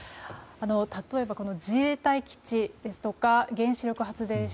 例えば自衛隊基地ですとか原子力発電所